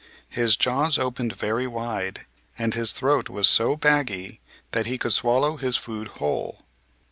His jaws opened very wide, and his throat was so baggy that he could swallow his food whole.